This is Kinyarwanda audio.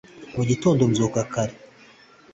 mu gitondobyuka kare